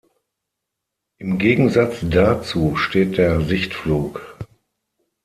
Im Gegensatz dazu steht der Sichtflug.